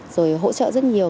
rồi hỗ trợ rất nhiều